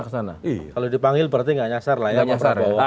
kalau dipanggil berarti nggak nyasar lah ya pak prabowo